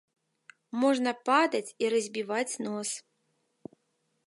Можна падаць і разбіваць нос.